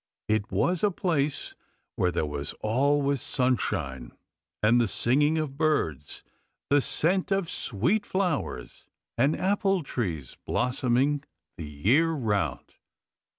It was a place where there was always sunshine, and the singing of birds, the scent of sweet flowers, and apple trees blossoming the whole year round.